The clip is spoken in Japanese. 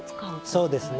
そうですね。